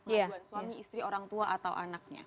pengaduan suami istri orang tua atau anaknya